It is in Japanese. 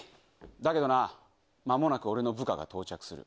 だけどな、まもなく俺の部下が到着する。